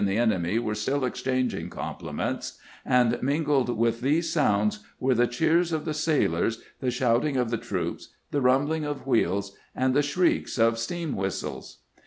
e enemy were still exchanging compli ments ; and mingled with these sounds were the cheers of the sailors, the shouting of the troops, the rumbling of wheels, and the shrieks of steam whistles.